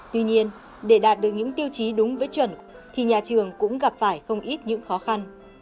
tuy nhiên để đạt được những tiêu chí đúng với chuẩn thì nhà trường cũng gặp phải không ít những khó khăn